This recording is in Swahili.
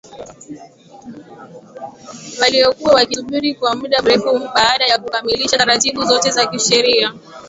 waliokuwa wakisubiri kwa muda mrefu baada ya kukamilisha taratibu zote za kisheria